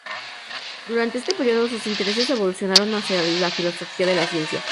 Durante este periodo, sus intereses evolucionaron hacia la filosofía de la ciencia.